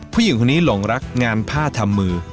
ผู้หญิงคนนี้หลงรักงานผ้าทำมือ